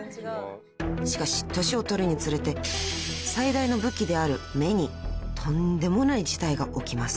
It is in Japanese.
［しかし年を取るにつれて最大の武器である目にとんでもない事態が起きます］